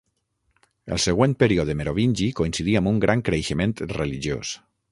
El següent període merovingi coincidí amb un gran creixement religiós.